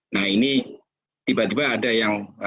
nah ini tiba tiba ada yang